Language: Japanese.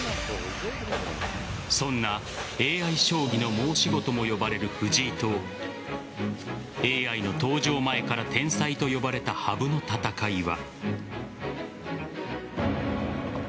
そんなＡＩ将棋の申し子とも呼ばれる藤井とＡＩの登場前から天才と呼ばれた羽生の戦いは。